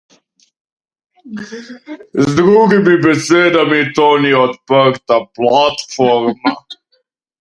Z drugimi besedami, to ni odprta platforma.